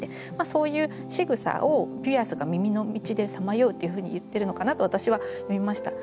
そういうしぐさを「ピアスが耳の道で彷徨う」っていうふうに言ってるのかなと私は読みました。